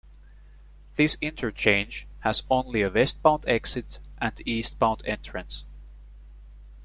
This interchange has only a westbound exit and eastbound entrance.